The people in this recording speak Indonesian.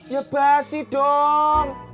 ya pasti dong